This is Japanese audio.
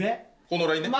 このラインね。